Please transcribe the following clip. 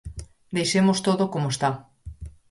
Deixemos todo como está...